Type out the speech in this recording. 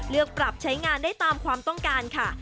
เลือกปรับใช้งานได้ตามความต้องการค่ะ